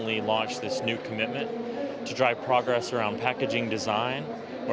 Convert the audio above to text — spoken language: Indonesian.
tapi kami telah menunjukkan komitmen baru ini untuk memanfaatkan kemajuan mengenai desain pemangkuan